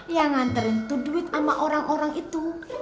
yang nganterin tuh duit sama orang orang itu